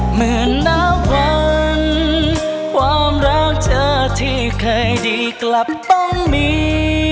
เหมือนนับวันความรักเธอที่เคยดีกลับต้องมี